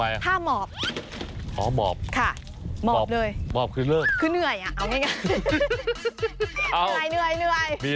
ไม่ลืมไปท่าหมอบค่ะหมอบเลยคือเหนื่อยอ่ะเอาไง